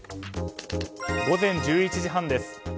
午前１１時半です。